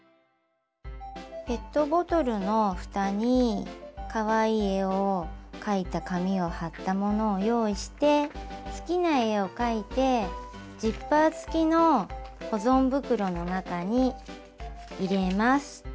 ペットボトルのふたにかわいい絵を描いた紙を貼ったものを用意して好きな絵を描いてジッパー付きの保存袋の中に入れます。